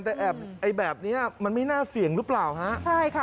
แต่แอบไอ้แบบเนี้ยมันไม่น่าเสี่ยงหรือเปล่าฮะใช่ค่ะ